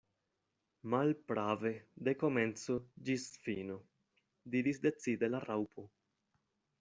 "Malprave, de komenco ĝis fino," diris decide la Raŭpo.